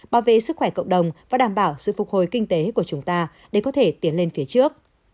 bảo vệ sức khỏe cộng đồng và đảm bảo sự phục hồi kinh tế của chúng ta để có thể tiến lên phía trước